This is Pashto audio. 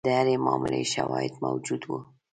د هرې معاملې شواهد موجود وو.